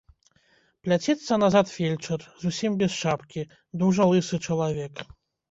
Пляцецца назад фельчар, зусім без шапкі, дужа лысы чалавек.